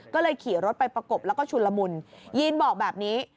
ก็เลยขี่รถไปประกบแล้วก็ชุนละมุนยีนบอกแบบนี้